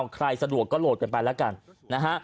ใครสะดวกก็โหลดกันไปแล้วกันนะฮะ